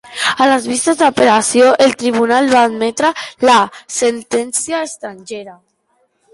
A les vistes d'apel·lació, el tribunal va admetre la sentència estrangera.